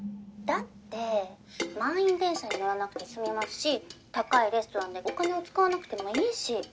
だって満員電車に乗らなくて済みますし高いレストランでお金を使わなくてもいいし。